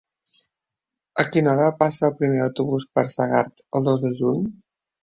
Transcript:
A quina hora passa el primer autobús per Segart el dos de juny?